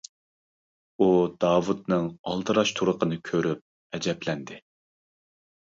ئۇ داۋۇتنىڭ ئالدىراش تۇرقىنى كۆرۈپ ئەجەبلەندى.